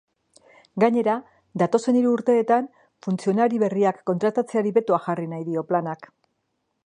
Gainera, datozen hiru urteetan funtzionari berriak kontratatzeari betoa jarri dio planak.